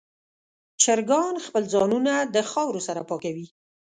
چرګان خپل ځانونه د خاورو سره پاکوي.